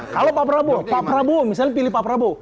kalau pak prabowo pak prabowo misalnya pilih pak prabowo